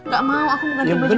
tak mau aku ganti baju